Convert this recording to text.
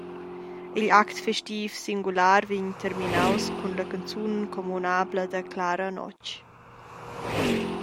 Igl act festiv singular vegn terminaus cun la canzun communabla da «Clara notg».